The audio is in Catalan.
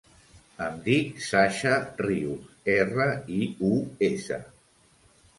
Em dic Sasha Rius: erra, i, u, essa.